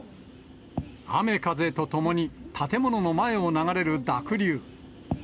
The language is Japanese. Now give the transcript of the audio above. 雨風とともに、建物の前を流れる濁流。